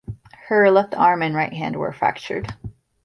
Her left arm and right hand were fractured.